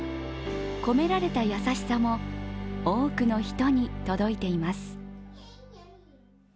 込められた優しさも多くの人に届いています。